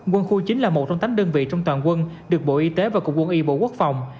quân khu chín là một trong tám đơn vị trong toàn quân được bộ y tế và cục quân y bộ quốc phòng